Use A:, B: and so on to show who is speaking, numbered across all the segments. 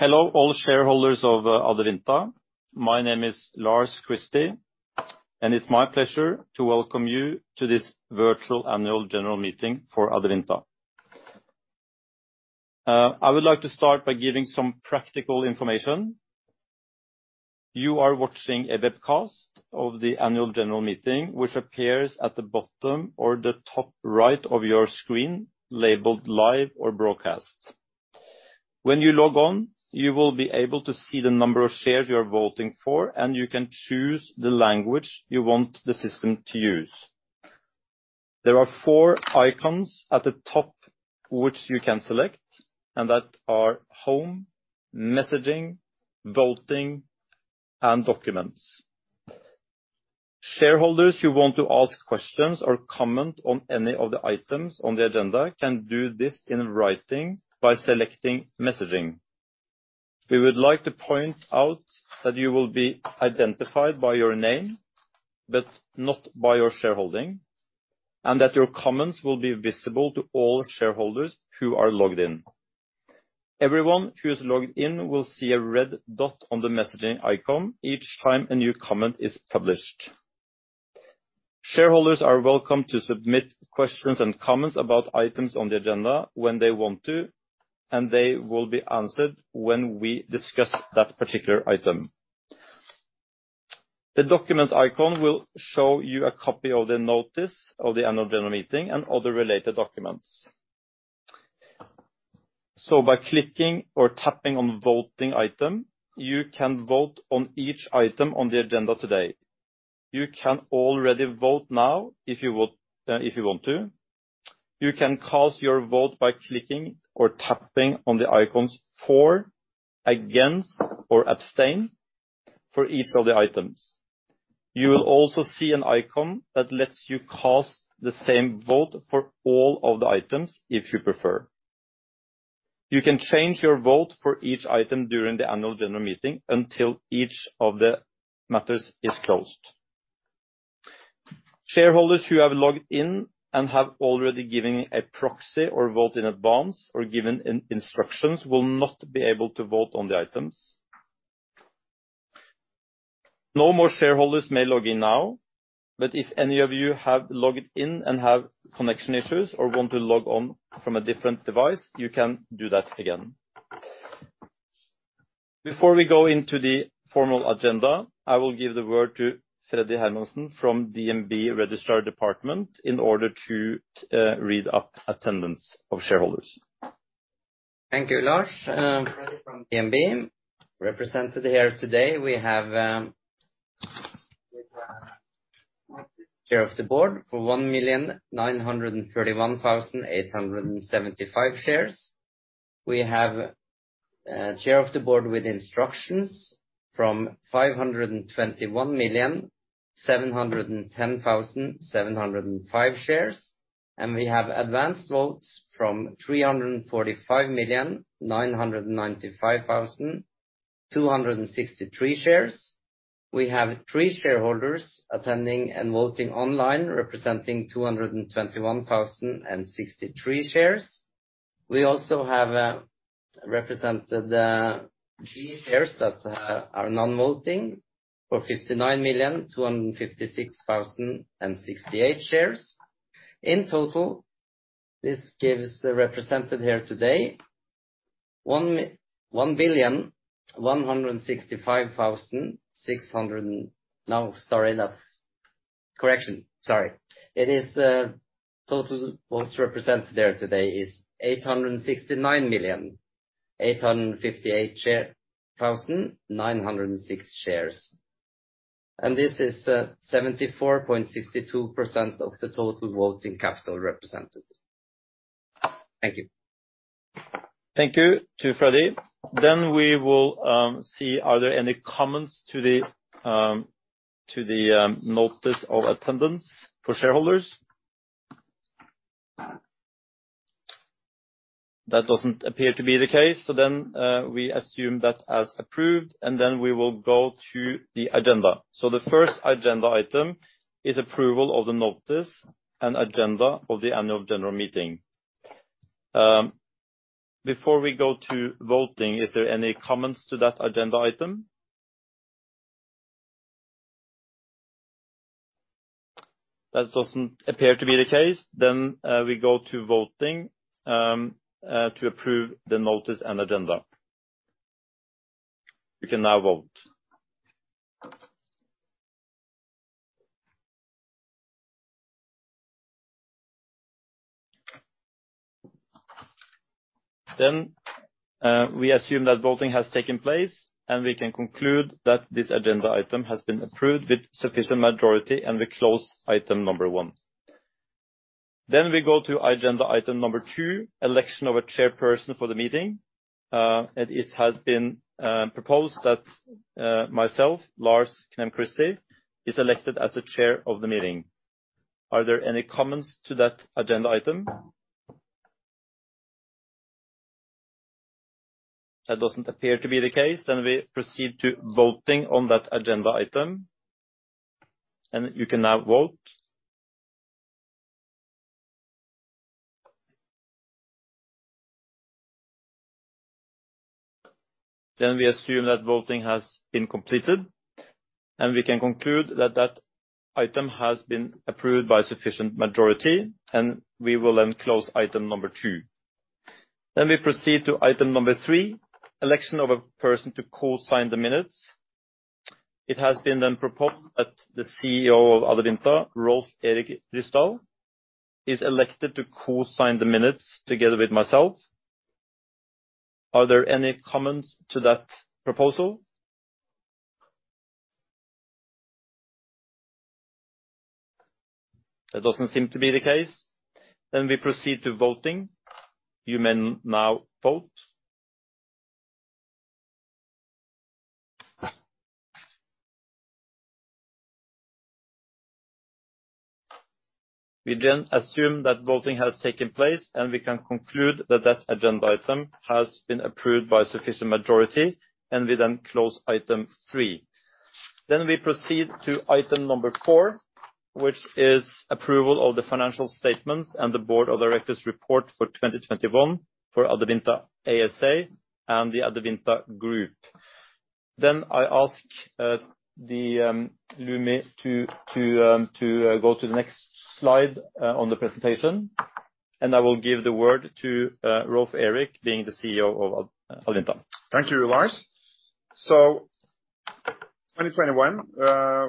A: Hello all shareholders of Adevinta. My name is Lars Christie, and it's my pleasure to welcome you to this virtual annual general meeting for Adevinta. I would like to start by giving some practical information. You are watching a webcast of the annual general meeting, which appears at the bottom or the top right of your screen, labeled Live or Broadcast. When you log on, you will be able to see the number of shares you are voting for, and you can choose the language you want the system to use. There are four icons at the top, which you can select, and that are home, messaging, voting, and documents. Shareholders who want to ask questions or comment on any of the items on the agenda can do this in writing by selecting messaging. We would like to point out that you will be identified by your name, but not by your shareholding, and that your comments will be visible to all shareholders who are logged in. Everyone who's logged in will see a red dot on the messaging icon each time a new comment is published. Shareholders are welcome to submit questions and comments about items on the agenda when they want to, and they will be answered when we discuss that particular item. The documents icon will show you a copy of the notice of the annual general meeting and other related documents. By clicking or tapping on voting item, you can vote on each item on the agenda today. You can already vote now if you would, if you want to. You can cast your vote by clicking or tapping on the icons for, against, or abstain for each of the items. You will also see an icon that lets you cast the same vote for all of the items if you prefer. You can change your vote for each item during the annual general meeting until each of the matters is closed. Shareholders who have logged in and have already given a proxy or vote in advance or given instructions will not be able to vote on the items. No more shareholders may log in now, but if any of you have logged in and have connection issues or want to log on from a different device, you can do that again. Before we go into the formal agenda, I will give the word to Freddy Hermansen from DNB Registrar Department in order to read out attendance of shareholders.
B: Thank you, Lars. Freddy from DNB. Represented here today, we have Chair of the board for 1,931,875 shares. We have chair of the board with instructions from 521,710,705 shares, and we have advanced votes from 345,995,263 shares. We have three shareholders attending and voting online, representing 221,063 shares. We also have represented three shares that are non-voting for 59,256,068 shares. In total, this gives the represented here today 1,000,165,600. Correction. Sorry. It is total votes represented there today is 869,858,906 shares. This is 74.62% of the total voting capital represented. Thank you.
A: Thank you to Freddy. We will see if there are any comments to the notice of attendance for shareholders? That doesn't appear to be the case. We assume that as approved, and then we will go to the agenda. The first agenda item is approval of the notice and agenda of the annual general meeting. Before we go to voting, is there any comments to that agenda item? That doesn't appear to be the case. We go to voting to approve the notice and agenda. You can now vote. We assume that voting has taken place, and we can conclude that this agenda item has been approved with sufficient majority, and we close item number one. We go to agenda item number two, election of a chairperson for the meeting. It has been proposed that myself, Lars Knem Christie, is elected as the chair of the meeting. Are there any comments to that agenda item? That doesn't appear to be the case. We proceed to voting on that agenda item. You can now vote. We assume that voting has been completed, and we can conclude that that item has been approved by sufficient majority, and we will then close item number two. We proceed to item number three, election of a person to co-sign the minutes. It has been then proposed that the CEO of Adevinta, Rolv Erik Ryssdal, is elected to co-sign the minutes together with myself. Are there any comments to that proposal? That doesn't seem to be the case. We proceed to voting. You may now vote. We then assume that voting has taken place, and we can conclude that that agenda item has been approved by sufficient majority, and we then close item three. We proceed to item number four, which is approval of the financial statements and the board of directors report for 2021 for Adevinta ASA and the Adevinta Group. I ask the Lumi to go to the next slide on the presentation, and I will give the word to Rolv Erik Ryssdal, being the CEO of Adevinta.
C: Thank you, Lars. 2021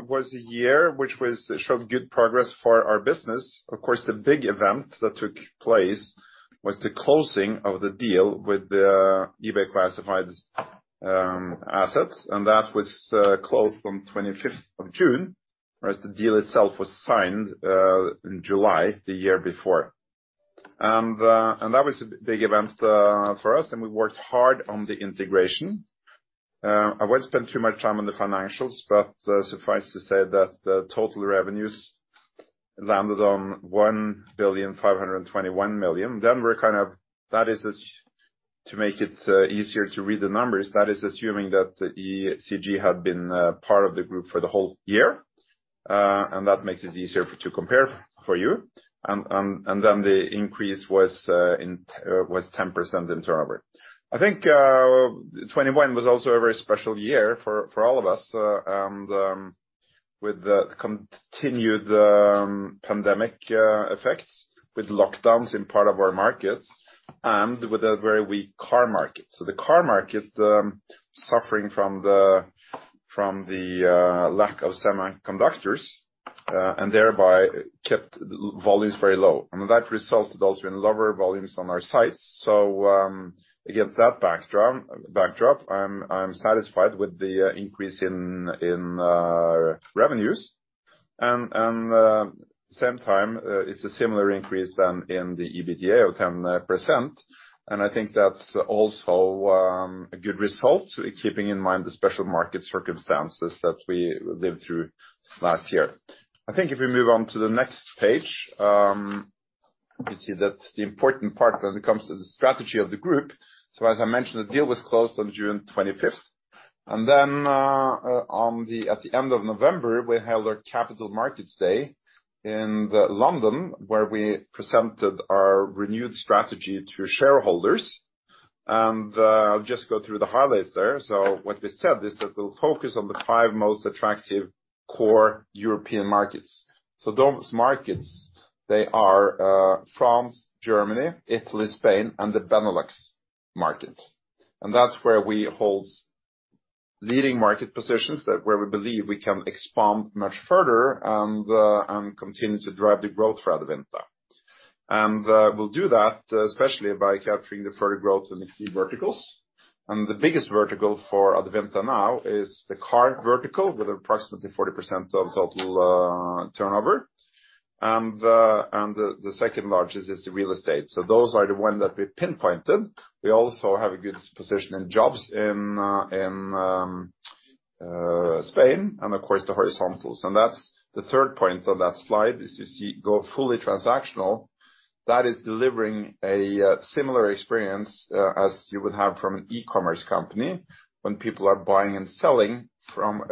C: was a year which showed good progress for our business. Of course, the big event that took place was the closing of the deal with the eBay Classifieds assets. That was closed on 25th of June, whereas the deal itself was signed in July the year before. That was a big event for us, and we worked hard on the integration. I won't spend too much time on the financials, but suffice to say that the total revenues landed on 1.521 billion. That is to make it easier to read the numbers. That is assuming that the ECG had been part of the group for the whole year, and that makes it easier to compare for you. The increase was 10% in turnover. I think 2021 was also a very special year for all of us, with the continued pandemic effects, with lockdowns in part of our markets and with a very weak car market. The car market suffering from the lack of semiconductors and thereby kept volumes very low. That resulted also in lower volumes on our sites. Against that backdrop, I'm satisfied with the increase in revenues. At the same time, it's a similar increase then in the EBITDA of 10%. I think that's also a good result, keeping in mind the special market circumstances that we lived through last year. I think if we move on to the next page, we see that the important part when it comes to the strategy of the group. As I mentioned, the deal was closed on June twenty-fifth. At the end of November, we held our Capital Markets Day in London, where we presented our renewed strategy to shareholders. I'll just go through the highlights there. What they said is that we'll focus on the five most attractive core European markets. Those markets, they are France, Germany, Italy, Spain, and the Benelux market. That's where we hold leading market positions, where we believe we can expand much further and continue to drive the growth for Adevinta. We'll do that, especially by capturing the further growth in the key verticals. The biggest vertical for Adevinta now is the car vertical, with approximately 40% of total turnover. The second largest is the real estate. Those are the one that we pinpointed. We also have a good position in jobs in Spain and of course, the horizontals. That's the third point on that slide, is you see go fully transactional. That is delivering a similar experience as you would have from an e-commerce company when people are buying and selling from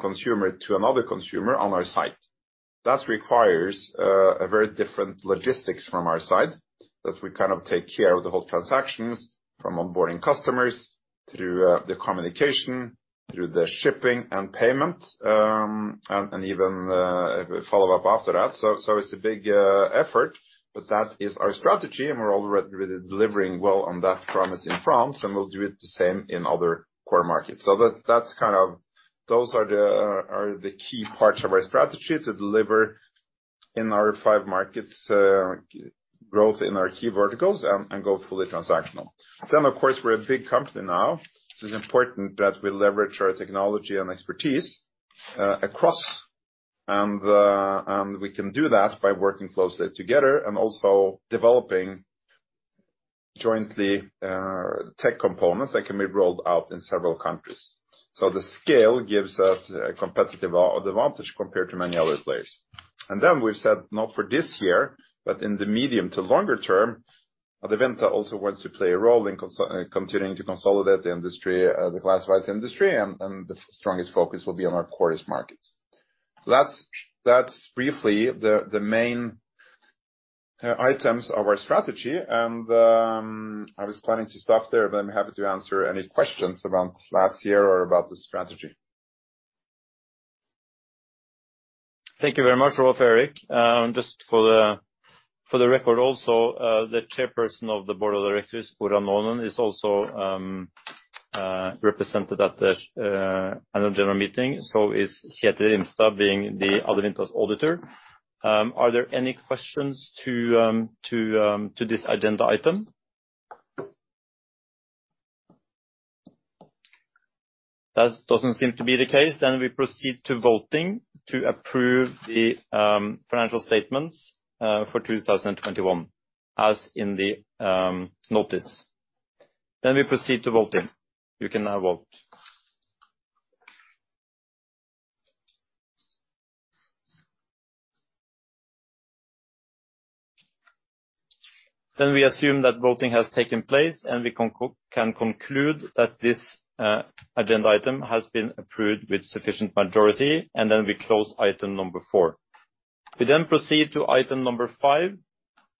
C: consumer to another consumer on our site. That requires a very different logistics from our side, that we kind of take care of the whole transactions from onboarding customers through the communication, through the shipping and payment, and even follow up after that. It's a big effort, but that is our strategy, and we're already delivering well on that promise in France, and we'll do it the same in other core markets. That's kind of those are the key parts of our strategy to deliver in our five markets growth in our key verticals and go fully transactional. Of course, we're a big company now. It is important that we leverage our technology and expertise across. We can do that by working closely together and also developing jointly tech components that can be rolled out in several countries. The scale gives us a competitive advantage compared to many other players. We've said not for this year, but in the medium to longer term, Adevinta also wants to play a role in continuing to consolidate the industry, the classifieds industry, and the strongest focus will be on our core markets. That's briefly the main items of our strategy. I was planning to stop there, but I'm happy to answer any questions about last year or about the strategy.
A: Thank you very much, Rolv Erik. Just for the record also, the Chairperson of the Board of Directors, Orla Noonan, is also represented at the annual general meeting. Kjetil Rimstad, being Adevinta's auditor. Are there any questions to this agenda item? That doesn't seem to be the case. We proceed to voting to approve the financial statements for 2021, as in the notice. We proceed to voting. You can now vote. We assume that voting has taken place, and we can conclude that this agenda item has been approved with sufficient majority, and we close item number four. We proceed to item number five,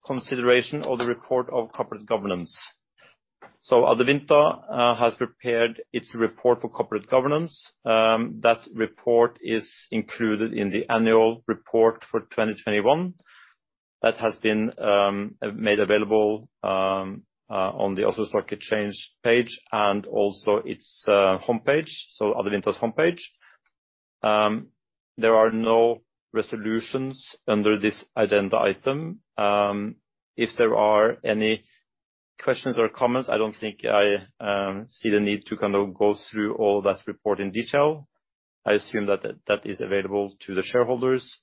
A: consideration of the report of corporate governance. Adevinta has prepared its report for corporate governance. That report is included in the annual report for 2021. That has been made available on the Oslo Stock Exchange page and also its homepage, so Adevinta's homepage. There are no resolutions under this agenda item. If there are any questions or comments, I don't think I see the need to kind of go through all that report in detail. I assume that is available to the shareholders.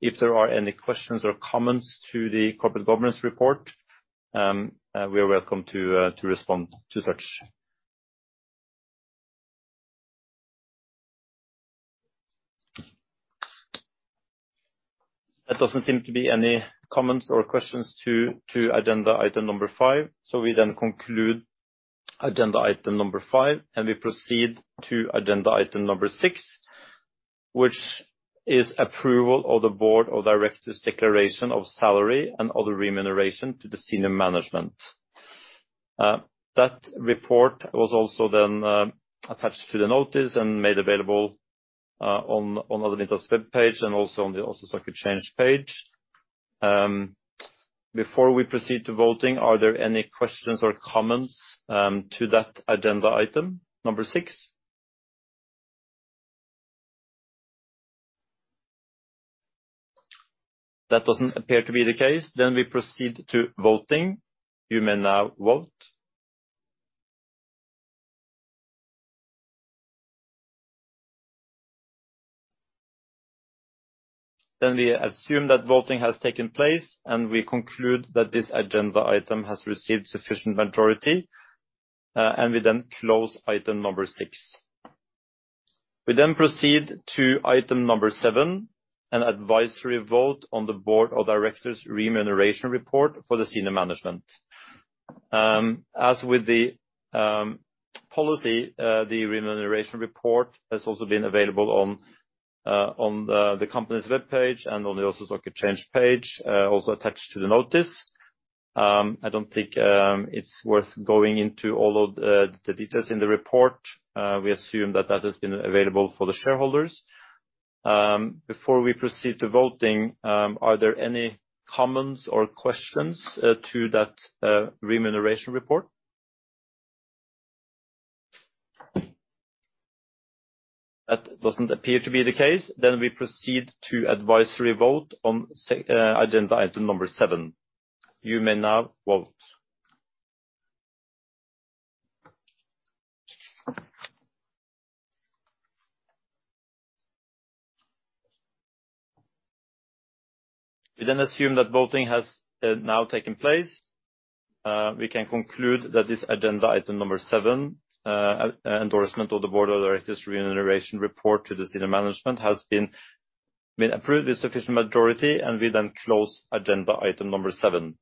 A: If there are any questions or comments to the corporate governance report, we are welcome to respond to such. There doesn't seem to be any comments or questions to agenda item number five. We then conclude agenda item number five, and we proceed to agenda item number six, which is approval of the Board of Directors' declaration of salary and other remuneration to the senior management. That report was also then attached to the notice and made available on Adevinta's webpage and also on the Oslo Stock Exchange page. Before we proceed to voting, are there any questions or comments to that agenda item number six? That doesn't appear to be the case. We proceed to voting. You may now vote. We assume that voting has taken place, and we conclude that this agenda item has received sufficient majority, and we then close item number six. We then proceed to item number seven, an advisory vote on the Board of Directors' remuneration report for the senior management. As with the policy, the remuneration report has also been available on the company's webpage and on the Oslo Stock Exchange page, also attached to the notice. I don't think it's worth going into all of the details in the report. We assume that has been available for the shareholders. Before we proceed to voting, are there any comments or questions to that remuneration report? That doesn't appear to be the case. We proceed to advisory vote on agenda item number seven. You may now vote. We assume that voting has now taken place. We can conclude that this agenda item number seven, endorsement of the board of directors' remuneration report to the senior management has been approved with sufficient majority, and we then close agenda item number seven.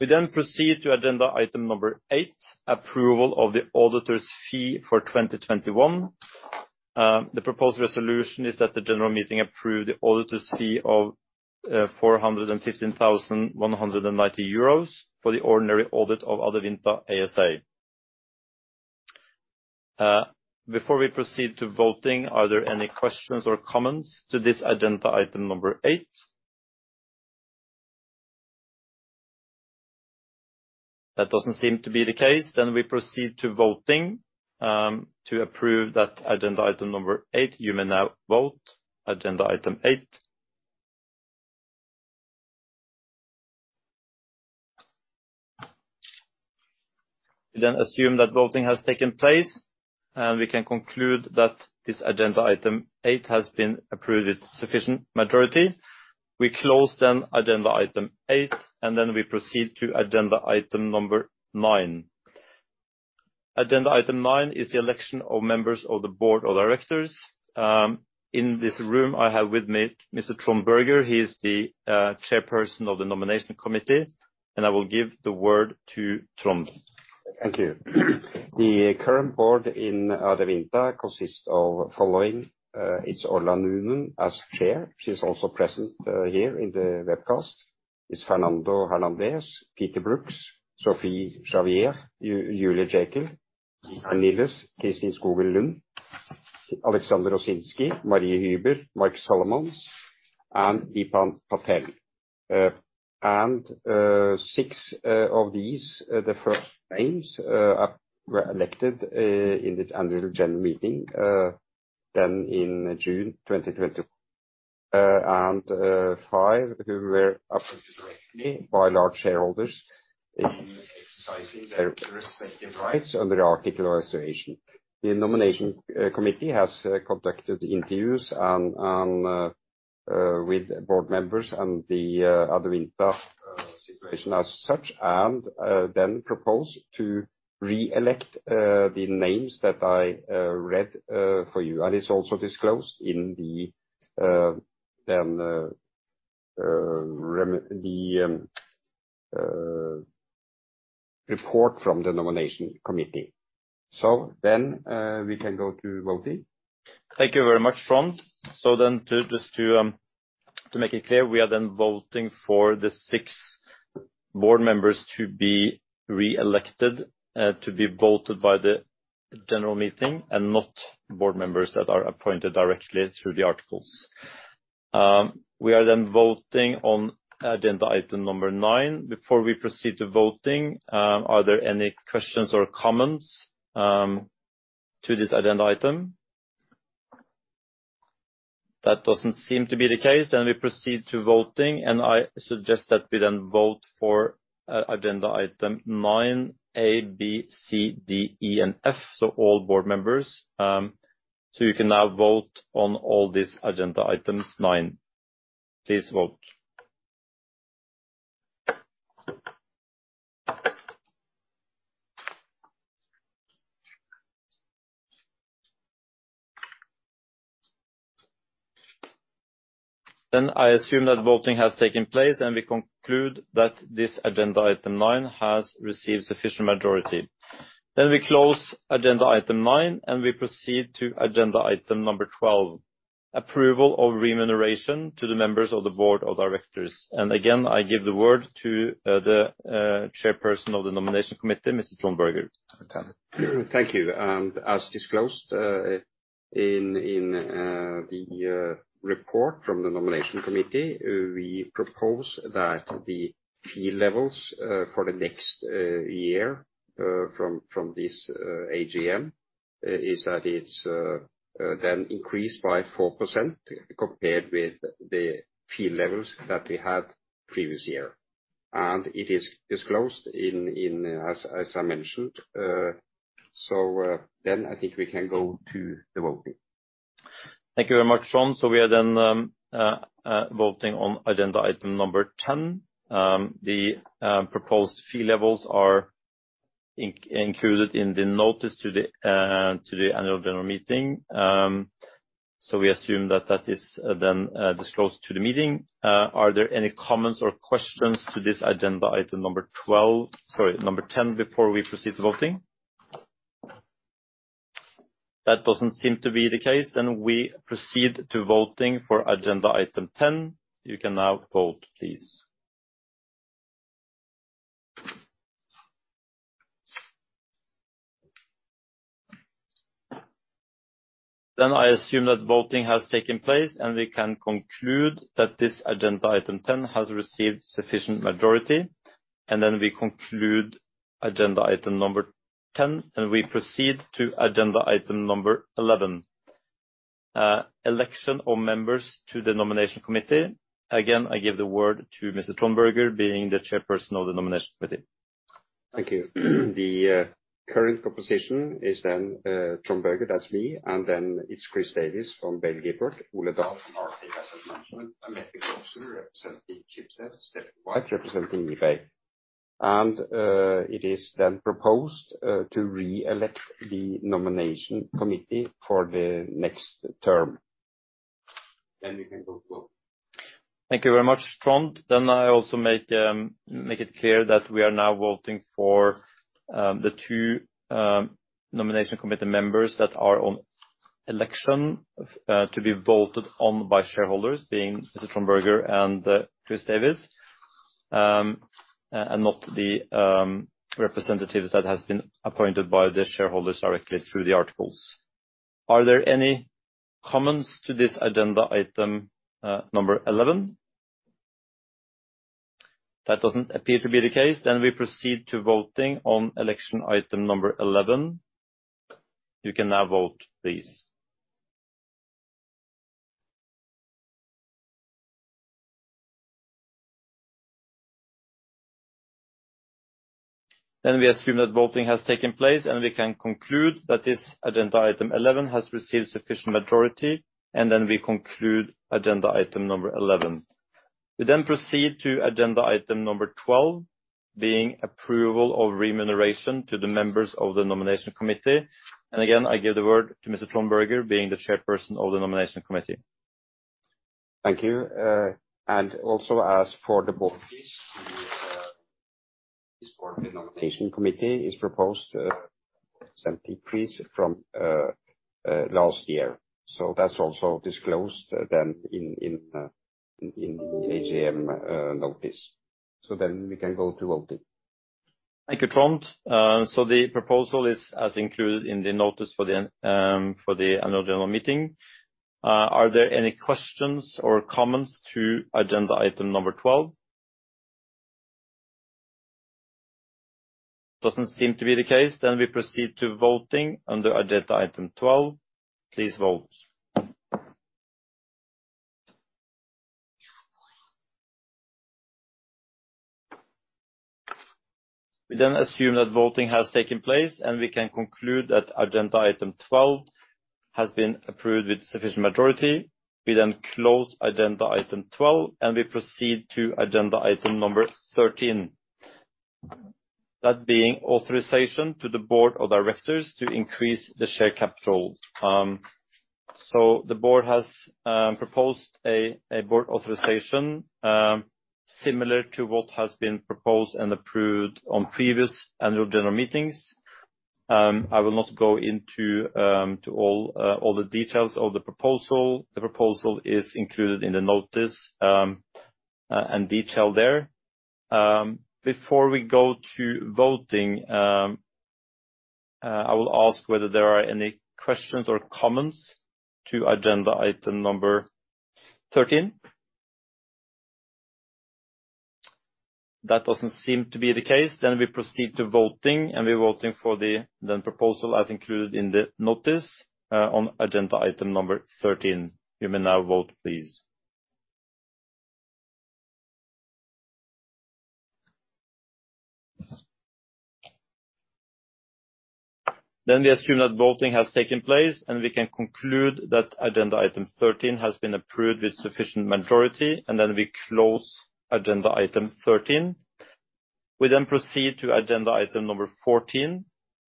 A: We then proceed to agenda item number eight, approval of the auditors' fee for 2021. The proposed resolution is that the general meeting approved the auditors' fee of 415,190 euros for the ordinary audit of Adevinta ASA. Before we proceed to voting, are there any questions or comments to this agenda item number eight? That doesn't seem to be the case, then we proceed to voting, to approve that agenda item number eight. You may now vote agenda item eight. We then assume that voting has taken place, and we can conclude that this agenda item eight has been approved with sufficient majority. We close then agenda item 8, and then we proceed to agenda item number nine. Agenda item nine is the election of members of the board of directors. In this room I have with me Mr. Trond Berger. He is the chairperson of the nomination committee, and I will give the word to Trond.
D: Thank you. The current board in Adevinta consists of following. It's Orla Noonan as chair. She's also present here in the webcast. It's Fernando Abril-Martorell Hernández, Peter Brooks-Johnson, Sophie Javary, Julia Jäkel, Orla Noonan, Kristin Skogen Lund, Aleksander Rosiński, Marie Oh Huber, Mark Solomons, and Dipan Patel. Six of these the first names were elected in the annual general meeting then in June 2020. Five who were appointed directly by large shareholders in exercising their respective rights under Articles of Association. The nomination committee has conducted interviews and with board members and the Adevinta situation as such, and then propose to re-elect the names that I read for you, and is also disclosed in the report from the nomination committee. We can go to voting.
A: Thank you very much, Trond. To make it clear, we are then voting for the six board members to be re-elected, to be voted by the general meeting and not board members that are appointed directly through the articles. We are then voting on agenda item number nine. Before we proceed to voting, are there any questions or comments to this agenda item? That doesn't seem to be the case. We proceed to voting, and I suggest that we then vote for agenda item nine A, B, C, D, E, and F, so all board members. You can now vote on all these agenda items nine. Please vote. I assume that voting has taken place, and we conclude that this agenda item nine has received sufficient majority. We close agenda item nine, and we proceed to agenda item number 12, approval of remuneration to the members of the board of directors. Again, I give the word to the chairperson of the nomination committee, Mr. Trond Berger.
D: Thank you. As disclosed in the report from the nomination committee, we propose that the fee levels for the next year from this AGM is that it's then increased by 4% compared with the fee levels that we had previous year. It is disclosed in as I mentioned. I think we can go to the voting.
A: Thank you very much, Trond. We are then voting on agenda item number 10. The proposed fee levels are included in the notice to the annual general meeting. We assume that is disclosed to the meeting. Are there any comments or questions to this agenda item number twelve, sorry, number 10, before we proceed to voting? That doesn't seem to be the case. We proceed to voting for agenda item 10. You can now vote, please. I assume that voting has taken place, and we can conclude that this agenda item 10 has received sufficient majority. We conclude agenda item number 10, and we proceed to agenda item number 11, election of members to the nomination committee. Again, I give the word to Mr. Trond Berger, being the Chairperson of the nomination committee.
D: Thank you. The current proposition is then Trond Berger, that's me, and then it's Chris Davies from Baillie Gifford, Ole Dahl from DNB Asset Management, Andrew Kvålseth representing Schibsted, Karin Schwab representing eBay. It is then proposed to re-elect the nomination committee for the next term. We can go vote.
A: Thank you very much, Trond. I also make it clear that we are now voting for the two nomination committee members that are on election to be voted on by shareholders being Mr. Trond Berger and Chris Davies and not the representatives that has been appointed by the shareholders directly through the articles. Are there any comments to this agenda item number 11? That doesn't appear to be the case. We proceed to voting on election item number 11. You can now vote, please. We assume that voting has taken place, and we can conclude that this agenda item 11 has received sufficient majority, and we conclude agenda item number 11. We proceed to agenda item number 12, being approval of remuneration to the members of the nomination committee. Again, I give the word to Mr. Trond Berger, being the chairperson of the nomination committee.
D: Thank you, and also fees for the board, please. The board, the nomination committee proposed EUR 73,000 from last year. That's also disclosed then in the AGM notice. We can go to voting.
A: Thank you, Trond. The proposal is as included in the notice for the annual general meeting. Are there any questions or comments to agenda item number 12? Doesn't seem to be the case, we proceed to voting under agenda item 12. Please vote. We assume that voting has taken place, and we can conclude that agenda item 12 has been approved with sufficient majority. We close agenda item 12, and we proceed to agenda item number 13. That being authorization to the board of directors to increase the share capital. The board has proposed a board authorization similar to what has been proposed and approved on previous annual general meetings. I will not go into all the details of the proposal. The proposal is included in the notice and detailed there. Before we go to voting, I will ask whether there are any questions or comments to agenda item number 13. That doesn't seem to be the case. We proceed to voting, and we're voting for the proposal as included in the notice on agenda item number 13. You may now vote, please. We assume that voting has taken place, and we can conclude that agenda item 13 has been approved with sufficient majority, and we close agenda item 13. We proceed to agenda item number 14,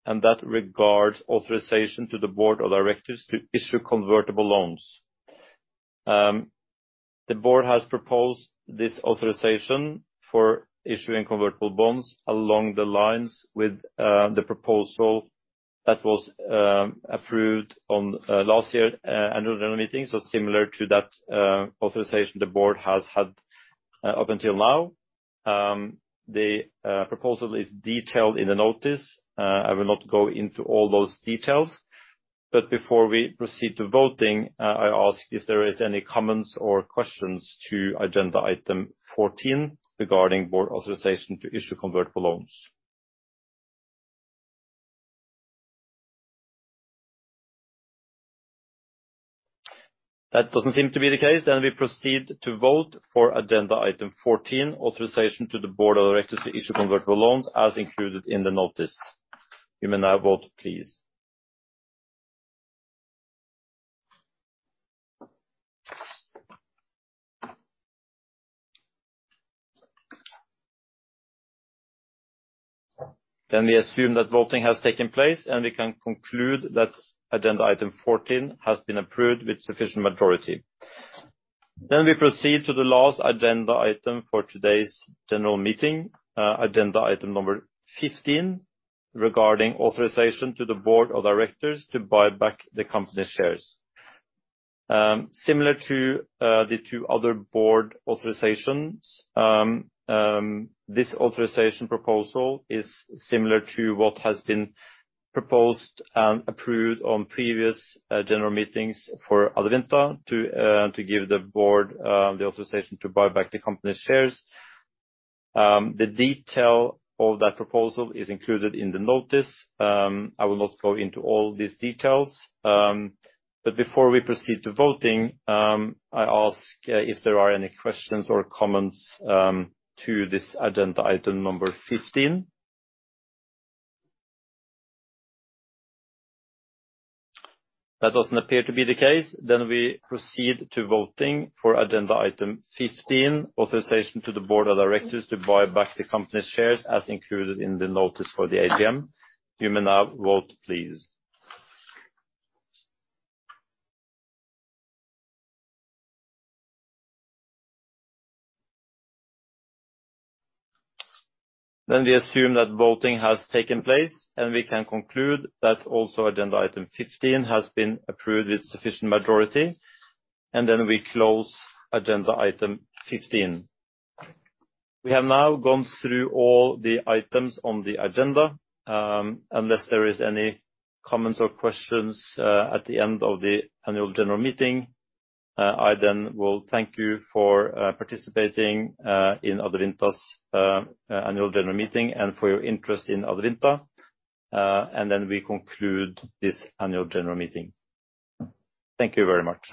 A: and that regards authorization to the board of directors to issue convertible loans. The board has proposed this authorization for issuing convertible bonds along the lines of the proposal that was approved on last year's annual general meeting. Similar to that, authorization the board has had up until now. The proposal is detailed in the notice. I will not go into all those details. Before we proceed to voting, I ask if there is any comments or questions to agenda item 14 regarding board authorization to issue convertible loans. That doesn't seem to be the case, we proceed to vote for agenda item 14, authorization to the board of directors to issue convertible loans as included in the notice. You may now vote, please. We assume that voting has taken place, and we can conclude that agenda item 14 has been approved with sufficient majority. We proceed to the last agenda item for today's general meeting, agenda item number 15, regarding authorization to the board of directors to buy back the company shares. Similar to the two other board authorizations, this authorization proposal is similar to what has been proposed and approved on previous general meetings for Adevinta to give the board the authorization to buy back the company shares. The detail of that proposal is included in the notice. I will not go into all these details. Before we proceed to voting, I ask if there are any questions or comments to this agenda item number 15. That doesn't appear to be the case. We proceed to voting for agenda item 15, authorization to the board of directors to buy back the company shares as included in the notice for the AGM. You may now vote, please. We assume that voting has taken place, and we can conclude that also agenda item 15 has been approved with sufficient majority, and we close agenda item 15. We have now gone through all the items on the agenda. Unless there is any comments or questions at the end of the annual general meeting, I then will thank you for participating in Adevinta's annual general meeting and for your interest in Adevinta. We conclude this annual general meeting. Thank you very much.